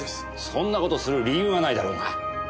そんな事する理由がないだろうが！